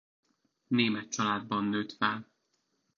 Német családban nőtt fel.